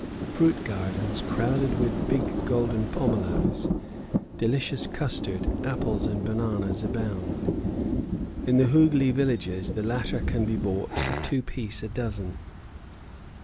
Fruit gardens, crowded with big golden pomolos, delicious custard, apples, and bananas abound; in the Hooghli villages the latter can be bought for two pice a dozen.